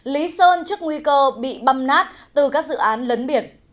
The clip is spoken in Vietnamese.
lý sơn trước nguy cơ bị băm nát từ các dự án lấn biển